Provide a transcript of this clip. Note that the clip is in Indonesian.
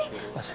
gak ada ini